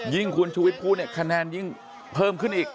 คุณชูวิทย์พูดเนี่ยคะแนนยิ่งเพิ่มขึ้นอีก